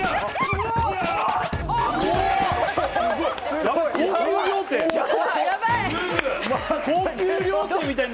すごい。